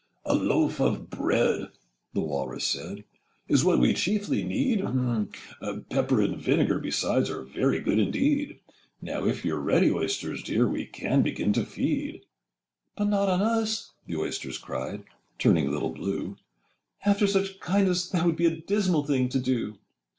'A loaf of bread,' the Walrus said, Â Â Â Â 'Is what we chiefly need: Pepper and vinegar besides Â Â Â Â Are very good indeed— Now if you're ready Oysters dear, Â Â Â Â We can begin to feed.' 'But not on us!' the Oysters cried, Â Â Â Â Turning a little blue, 'After such kindness, that would be Â Â Â Â A dismal thing to do!